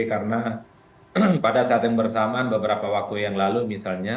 karena pada saat yang bersamaan beberapa waktu yang lalu misalnya